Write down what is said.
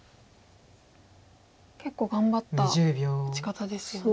結構頑張った打ち方ですよね。